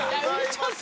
ちょっと！